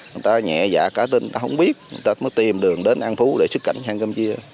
người ta nhẹ dạ cả tin người ta không biết người ta mới tìm đường đến an phú để xuất cảnh sang campuchia